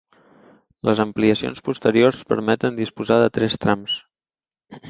Les ampliacions posteriors permeten disposar de tres trams.